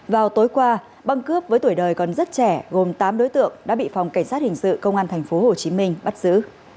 vào tối qua băng cướp với tuổi đời còn rất trẻ gồm tám đối tượng đã bị phòng cảnh sát hình sự công an tp hcm bắt giữ